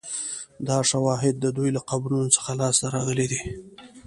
دا شواهد د دوی له قبرونو څخه لاسته راغلي دي